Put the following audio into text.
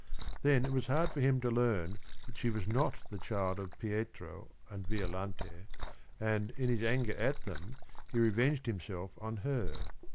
Then it was hard for him to learn that she was not the chi ld of Pietro and Violante, ancTTn his anger at them, he reveng ed himse lf on her.